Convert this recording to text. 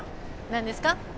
何ですか？